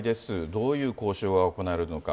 どういう交渉が行われるのか。